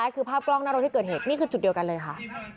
คือภาพกล้องหน้ารถที่เกิดเหตุนี่คือจุดเดียวกันเลยค่ะ